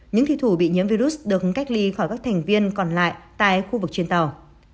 những thi thủ bị nhiễm virus được cách ly khỏi các thành viên còn lại tại khu vực trên tàu